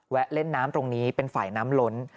เล่นน้ำตรงนี้เป็นฝ่ายน้ำล้น